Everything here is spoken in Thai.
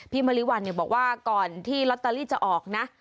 มริวัลบอกว่าก่อนที่ลอตเตอรี่จะออกนะ